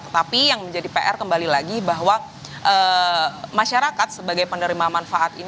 tetapi yang menjadi pr kembali lagi bahwa masyarakat sebagai penerima manfaat ini